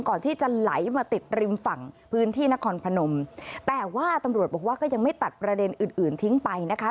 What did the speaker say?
ก่อนที่จะไหลมาติดริมฝั่งพื้นที่นครพนมแต่ว่าตำรวจบอกว่าก็ยังไม่ตัดประเด็นอื่นอื่นทิ้งไปนะคะ